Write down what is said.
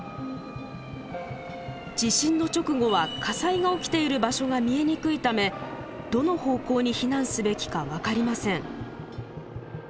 地震の直後は火災が起きている場所が見えにくいためどの方向に避難すべきか分かりません。